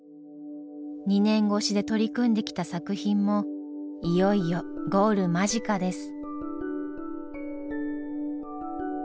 ２年越しで取り組んできた作品もいよいよゴール間近です。